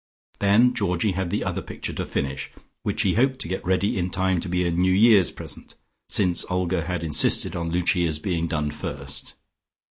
Then Georgie had the other picture to finish, which he hoped to get ready in time to be a New Year's present, since Olga had insisted on Lucia's being done first.